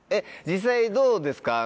実際どうですか？